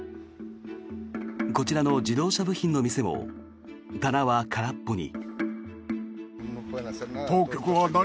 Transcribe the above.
こちらの自動車部品の店も棚は空っぽに。